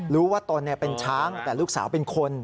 ตนเป็นช้างแต่ลูกสาวเป็นคน